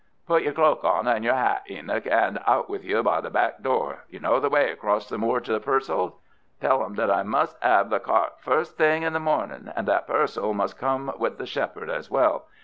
"Put your cloak on and your 'at, Enoch, and out with you by the back door. You know the way across the moor to the Purcells'. Tell them that I must 'ave the cart first thing in the mornin', and that Purcell must come with the shepherd as well.